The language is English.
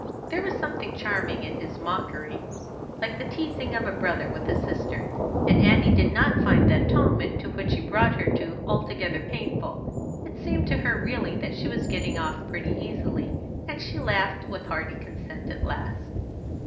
There was something charming in his mockery, like the teasing of a brother with a sister; and Annie did not find the atonement to which he brought her altogether painful. It seemed to her really that she was getting off pretty easily, and she laughed with hearty consent at last.